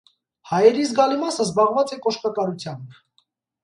Հայերի զգալի մասը զբաղուած է կոշկակարութեամբ։